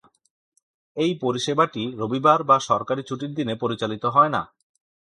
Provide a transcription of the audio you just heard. এই পরিষেবাটি রবিবার বা সরকারি ছুটির দিনে পরিচালিত হয় না।